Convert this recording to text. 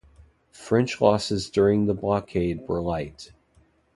French losses during the blockade were light.